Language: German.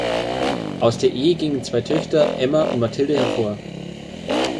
Aus der Ehe gingen zwei Töchter, Emma und Mathilde, hervor.